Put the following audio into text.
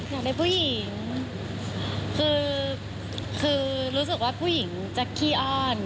อยากได้ผู้หญิงคือรู้สึกว่าผู้หญิงจะขี้อ้อน